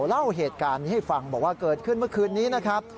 เล่าเหตุการณ์นี้ให้ฟังบอกว่าเกิดขึ้นเมื่อคืนนี้นะครับ